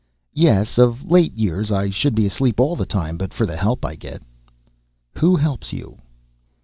"Yes, of late years. I should be asleep all the time but for the help I get." "Who helps you?"